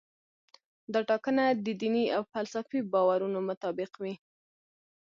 دا ټاکنه د دیني او فلسفي باورونو مطابق وي.